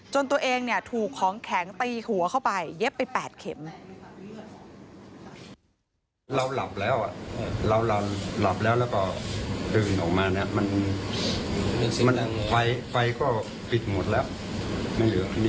ตัวเองถูกของแข็งตีหัวเข้าไปเย็บไป๘เข็ม